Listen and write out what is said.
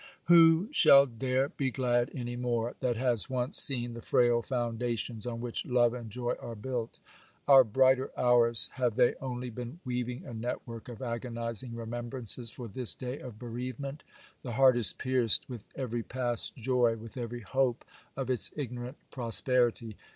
Who shall dare be glad any more, that has once seen the frail foundations on which love and joy are built? Our brighter hours, have they only been weaving a network of agonizing remembrances for this day of bereavement? The heart is pierced with every past joy, with every hope of its ignorant prosperity.